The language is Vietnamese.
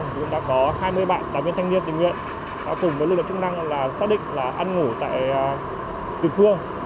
với lưu lực chức năng là xác định là ăn ngủ tại tuyệt phương